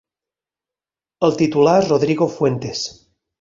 El titular és Rodrigo Fuentes.